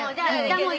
もう。